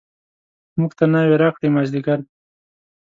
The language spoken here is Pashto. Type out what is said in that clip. موږ ته ناوې راکړئ مازدیګر دی.